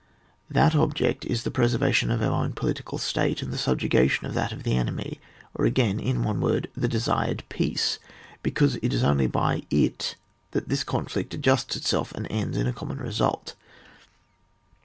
That object is the preservation of our own political state and the subjugation of that of the enemy ; or again, in one word, the desired peace^ because it is only by it that this conflict adjusts itself, and ends in a common result.